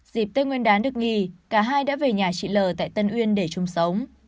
dịp tây nguyên đán được nghỉ cả hai đã về nhà chị lờ tại tân uyên để chung sống